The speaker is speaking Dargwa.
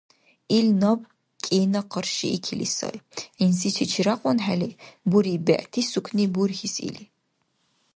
Ил наб кӀина къаршиикили сай, гӀинзи шичи рякьунхӀели. Буриб, бегӀти сукни бурхьис или.